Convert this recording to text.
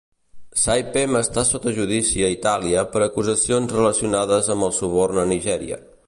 Saipem està sota judici a Itàlia per acusacions relacionades amb el suborn a Nigèria.